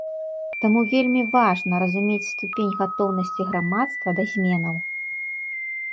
Таму вельмі важна разумець ступень гатоўнасці грамадства да зменаў.